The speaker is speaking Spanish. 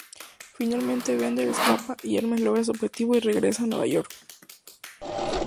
Finalmente Bender escapa y Hermes logra su objetivo y regresan a Nueva Nueva York.